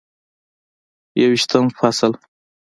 یوویشتم فصل: